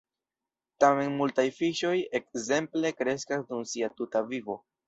Tamen multaj fiŝoj ekzemple kreskas dum sia tuta vivo.